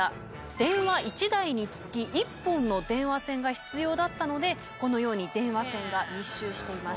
電話１台につき１本の電話線が必要だったのでこのように電話線が密集していました。